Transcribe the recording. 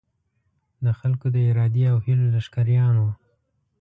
د خلکو د ارادې او هیلو لښکریان وو.